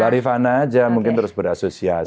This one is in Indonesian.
barifan aja mungkin terus berasosiasi